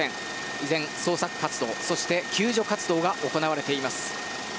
以前、捜索活動、救助活動が行われています。